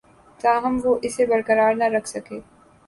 تاہم وہ اسے برقرار نہ رکھ سکے